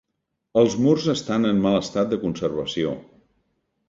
Els murs estan en mal estat de conservació.